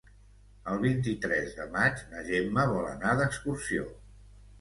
El vint-i-tres de maig na Gemma vol anar d'excursió.